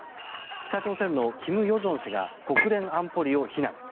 北朝鮮の金与正氏が国連安保理を非難。